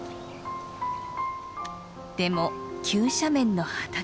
でも急斜面の畑。